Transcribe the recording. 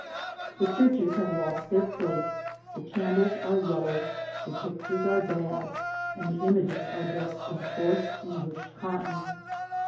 The churches have lost thdr plate, the can^ dies are yellow, the pictures are bad, and the images are dressed in coarse English cotton.